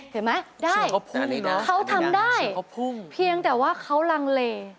เห็นไหมได้เขาทำได้เพียงแต่ว่าเขาลังเล